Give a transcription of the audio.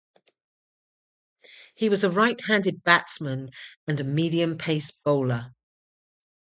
He was a right-handed batsman and a medium pace bowler.